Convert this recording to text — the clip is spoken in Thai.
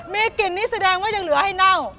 มีกลิ่นนี้แสดงว่ายังเหลือให้เน่า